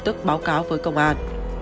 người dân có thể báo cáo với công an